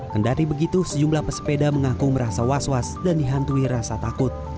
kendari begitu sejumlah pesepeda mengaku merasa was was dan dihantui rasa takut